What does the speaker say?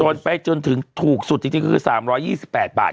ไปจนถึงถูกสุดจริงคือ๓๒๘บาท